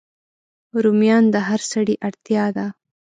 رومیان د هر سړی اړتیا ده